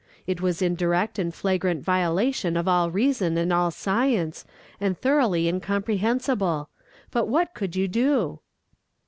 It was in direct and flagrant violation of all reason and all science, and thoroughly incomprehensible; but what could you do?